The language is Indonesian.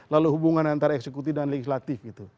lalu hubungan antara eksekutif dan legislatif gitu